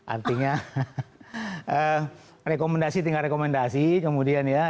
artinya rekomendasi tinggal rekomendasi kemudian ya